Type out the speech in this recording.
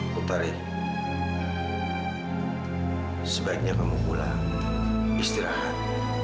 putarin sebaiknya kamu pulang istirahat